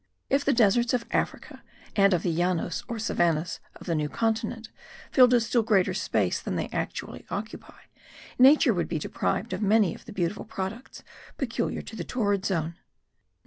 If the deserts of Africa and of the Llanos or savannahs of the New Continent filled a still greater space than they actually occupy, nature would be deprived of many of the beautiful products peculiar to the torrid zone.